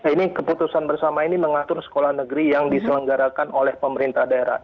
ini keputusan bersama ini mengatur sekolah negeri yang diselenggarakan oleh pemerintah daerah